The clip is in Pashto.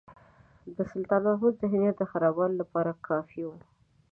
د سلطان محمود ذهنیت خرابولو لپاره کافي وو.